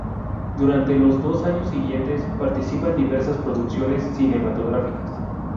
Durante los dos años siguientes participa en diversas producciones cinematográficas.